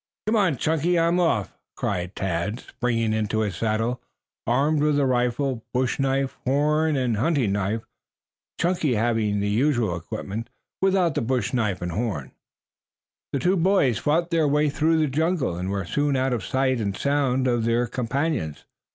"Come on, Chunky; I'm off," cried Tad, springing into his saddle, armed with rifle, bush knife, horn and hunting knife, Chunky having the usual equipment without the bush knife and horn. The two boys fought their way through the jungle and were soon out of sight and sound of their companions.